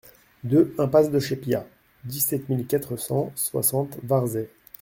deux impasse de Chez Piat, dix-sept mille quatre cent soixante Varzay